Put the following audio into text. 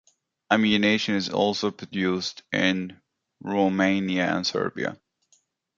Ammunition is also produced in Romania and Serbia.